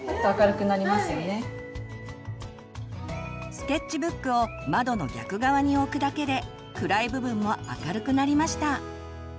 スケッチブックを窓の逆側に置くだけで暗い部分も明るくなりました。